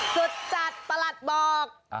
สุดจัดประหลัดบอก